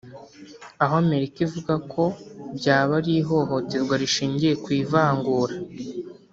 aho Amerika ivuga ko byaba ari ihohoterwa rishingiye ku ivangura